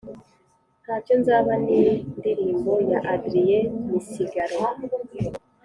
Ntacyo nzaba ni ndirimbo ya Adriel misigaro